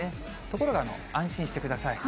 ところが安心してください。